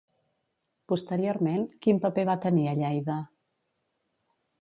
Posteriorment, quin paper va tenir a Lleida?